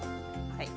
はい。